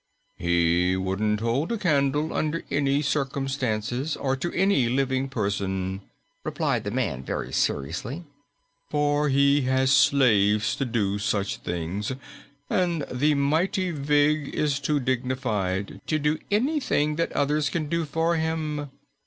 "He wouldn't hold a candle under any circumstances, or to any living person," replied the man very seriously, "for he has slaves to do such things and the Mighty Vig is too dignified to do anything that others can do for him.